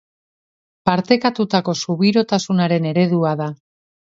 Partekatutako subiranotasunaren eredua da.